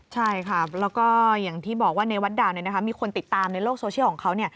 ใช่ค่ะแล้วก็อย่างที่บอกว่าในวัดดาวมีคนติดตามในโลกโซเชียลของเขา